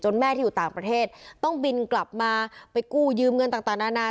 แม่ที่อยู่ต่างประเทศต้องบินกลับมาไปกู้ยืมเงินต่างนานา